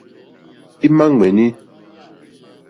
Ímá ŋmɛ̀ní.